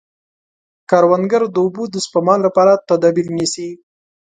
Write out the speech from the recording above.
کروندګر د اوبو د سپما لپاره تدابیر نیسي